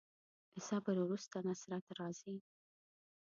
د صبر وروسته نصرت راځي.